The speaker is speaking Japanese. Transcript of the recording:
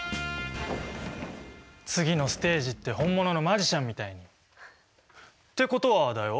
次のステージって本物のマジシャンみたいに。ってことはだよ